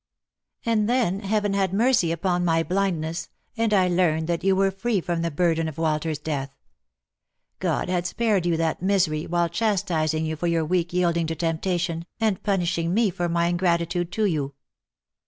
" And then Heaven had mercy upon my blindness, and I learned that you were free from the burden of Walter's death. God had spared you that misery, while chastising you for your weak yielding to temptation, and punishing me for my ingrati tude to you."